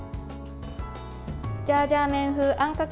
ジャージャー麺風あんかけ